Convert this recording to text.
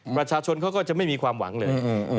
ประชาชนเขาก็จะไม่มีความหวังเลย